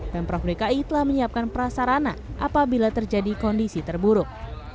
pemprov dki telah menyiapkan prasarana apabila terjadi kondisi terburuk